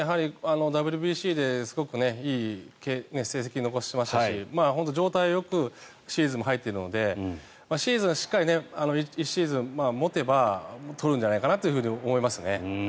ＷＢＣですごくいい成績を残してましたし本当、状態よくシーズンに入っているのでしっかり１シーズン持てば取るんじゃないかなと思いますね。